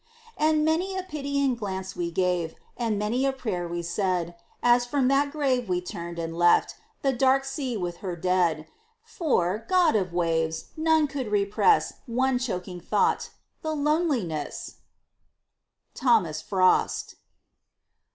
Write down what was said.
And many a pitying glance we gave, And many a prayer we said, As from that grave we turned, and left The dark sea with her dead; For God of Waves! none could repress One choking thought the loneliness! THOMAS FROST.